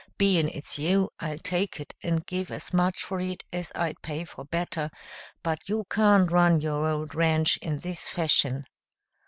Bein' it's you, I'll take it and give as much for it as I'd pay for better, but you can't run your old ranch in this fashion."